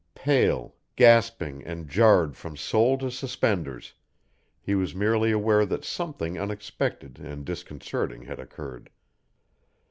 Pale, gasping, and jarred from soul to suspenders, he was merely aware that something unexpected and disconcerting had occurred.